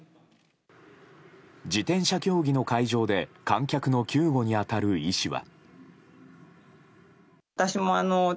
自転車競技の会場で観客の救護に当たる医師は。